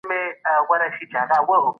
ګوندي تحلیلونو په هېواد کي تباهي راوسته.